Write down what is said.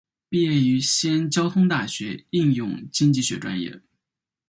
毕业于西安交通大学应用经济学专业。